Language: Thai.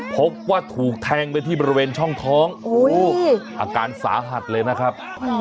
พบว่าถูกแทงไปที่บริเวณช่องท้องอาการสาหัสเลยนะครับ